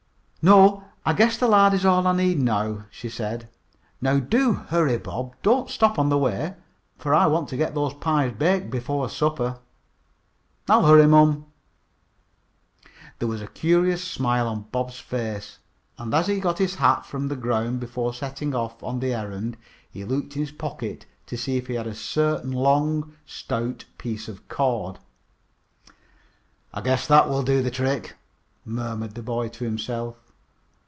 "No, I guess the lard is all I need now," she said. "Now do hurry, Bob. Don't stop on the way, for I want to get these pies baked before supper." "I'll hurry, mom." There was a curious smile on Bob's face, and as he got his hat from the ground before setting off on the errand he looked in his pocket to see if he had a certain long, stout piece of cord. "I guess that will do the trick," murmured the boy to himself.